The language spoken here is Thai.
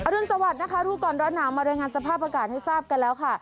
รุนสวัสดิ์นะคะรู้ก่อนร้อนหนาวมารายงานสภาพอากาศให้ทราบกันแล้วค่ะ